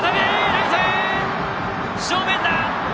ライト正面だ！